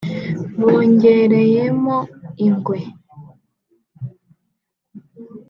bongereyemo ingwe